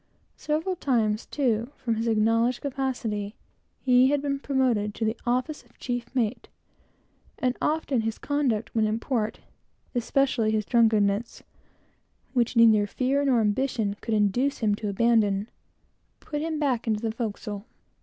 Several times, too, from his known capacity, he had been promoted to the office of chief mate, and as often, his conduct when in port, especially his drunkenness, which neither fear nor ambition could induce him to abandon, put him back into the forecastle.